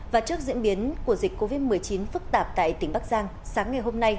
và trước diễn biến của dịch covid một mươi chín phức tạp tại tỉnh bắc giang sáng ngày hôm nay